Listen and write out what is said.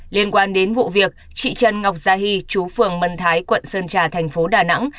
liên quan đến vụ việc chị trần ngọc gia hy chú phường mân thái quận sơn trà thành phố đà nẵng